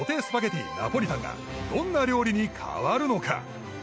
ナポリタンがどんな料理に変わるのか？